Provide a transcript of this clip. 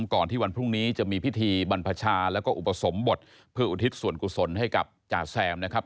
ก่อนที่วันพรุ่งนี้จะมีพิธีบรรพชาแล้วก็อุปสมบทเพื่ออุทิศส่วนกุศลให้กับจ่าแซมนะครับ